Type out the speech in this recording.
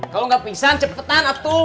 kalau nggak pingsan cepetan abtu